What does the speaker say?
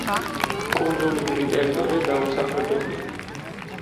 კუნძულის დიდი ტერიტორია დაუსახლებელია.